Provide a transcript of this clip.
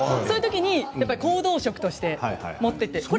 そういうときにやっぱり行動食として持ってって。